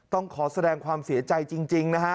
ต้องขอแสดงความเสียใจจริงนะฮะ